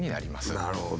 なるほど。